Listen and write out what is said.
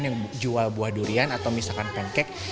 yang jual buah durian atau misalkan pancake